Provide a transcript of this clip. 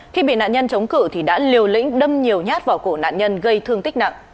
khi bị nạn nhân chống cự thì đã liều lĩnh đâm nhiều nhát vào cổ nạn nhân gây thương tích nặng